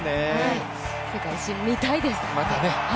世界新、見たいです。